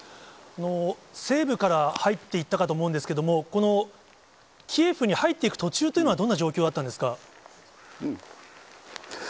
西部から入っていったかと思うんですけれども、このキエフに入っていく途中というのは、どんな状況だったんですか。